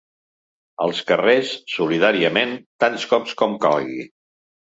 Als carrers, solidàriament, tants cop com calgui.